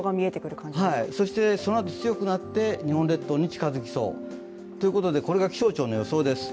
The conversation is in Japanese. そしてそのあと強くなって、日本列島に近づきそうということでこれが気象庁の予想です。